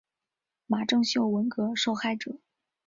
马正秀文革受害者。